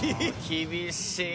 厳しい。